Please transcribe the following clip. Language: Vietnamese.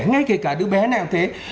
ngay kể cả đứa bé nào thế